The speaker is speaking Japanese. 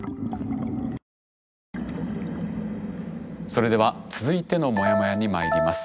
それでは続いてのモヤモヤに参ります。